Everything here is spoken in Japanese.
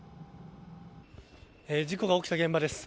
事故が起きた現場です。